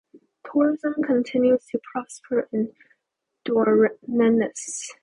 Tourism continues to prosper in Douarnenez.